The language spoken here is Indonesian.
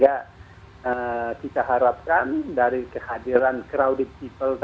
apakah sekarang harus akuirekanawlaut indeed nrabnya